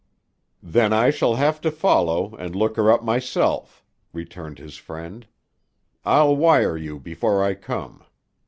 "Then I shall have to follow, and look her up myself," returned his friend. "I'll wire you before I come.